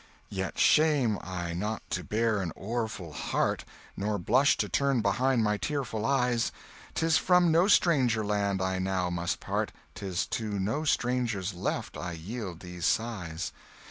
"Yet shame I not to bear an o'erfull heart, Nor blush to turn behind my tearful eyes; 'Tis from no stranger land I now must part, 'Tis to no strangers left I yield these sighs.